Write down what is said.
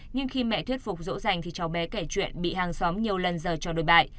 nhưng khi mẹ thuyết phục dỗ dành thì cháu bé kể chuyện bị hàng xóm nhiều lần giờ cho đối bại